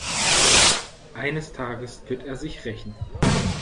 Eines Tages wird er sich rächen.